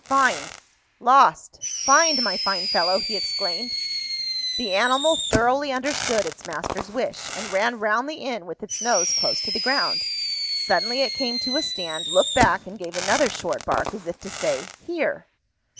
"Find lost find, my fine fellow!" he exclaimed. The animal thoroughly understood its master's wish, and ran round the inn with its nose close to the ground. Suddenly it came to a stand, looked back, and gave another short bark, as if to say, "Here!"